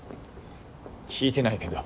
聞いてないけど。